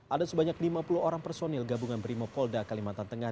ada sebanyak lima puluh orang personil gabungan brimopolda kalimantan tengah